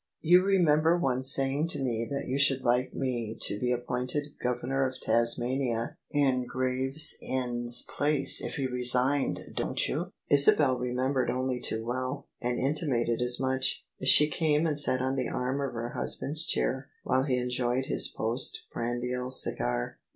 You remember once saying to me that you should like me to be appointed Governor of Tasmania in Gravesend's place if he resigned, don't you? " Isabel remembered only too well, and intimated as much, as she came and sat on the arm of her husband's chair while he enjoyed his post prandial cigar.